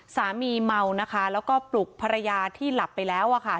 เมานะคะแล้วก็ปลุกภรรยาที่หลับไปแล้ว